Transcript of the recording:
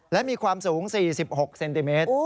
และมีความสูง๔๖เซนติเมตร